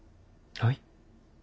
はい？